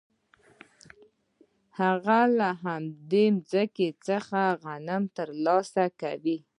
هغه له دې ځمکې څخه غنم ترلاسه کوي